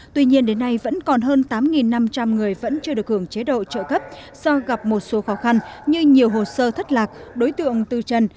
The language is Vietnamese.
tuy nhiên đến nay vẫn còn hơn tám năm trăm linh người vẫn chưa được hưởng chế độ trợ cấp do gặp một số khó khăn như nhiều hồ sơ thất lạc đối tượng tư trần